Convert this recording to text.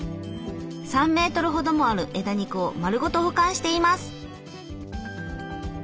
３メートルほどもある枝肉を丸ごと保管しています。